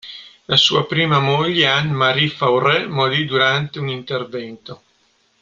La sua prima moglie Anne-Marie Faure morì durante un intervento.